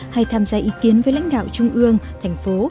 hay tham gia ý kiến với lãnh đạo trung ương thành phố